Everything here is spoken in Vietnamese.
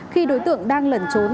khi đối tượng đang lẩn trốn